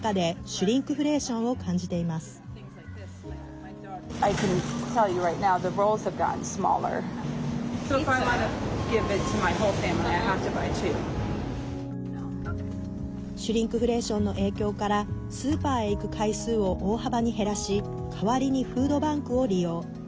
シュリンクフレーションの影響からスーパーへ行く回数を大幅に減らし代わりにフードバンクを利用。